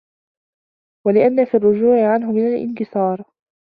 وَلِأَنَّ فِي الرُّجُوعِ عَنْهُ مِنْ الِانْكِسَارِ